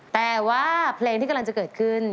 แต่ว่าเพลงที่กำลังจะเกิดขึ้น